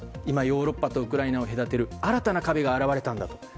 今、ヨーロッパとウクライナを隔てる新たな壁が現れたんだと。